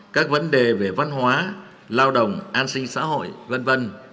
các vấn đề về văn hóa lao động an sinh xã hội v v